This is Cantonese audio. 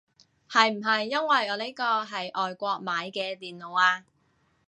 係唔係因為我呢個係外國買嘅電腦啊